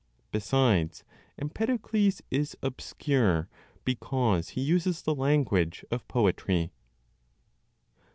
Besides Empedocles is obscure because he uses the language of poetry.